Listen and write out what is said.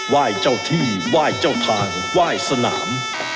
ว่ายเจ้าที่ว่ายเจ้าทางว่ายสนาม